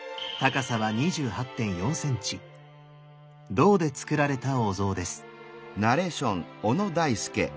銅でつくられたお像です。